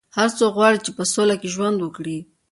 هر څوک غواړي چې په سوله کې ژوند وکړي.